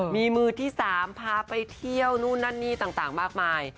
มีมือที่๓พาไปเที่ยวนู่นนั่นนี่ต่างมากมาย